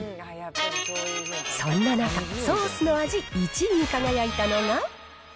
そんな中、ソースの味１位に輝いたのが。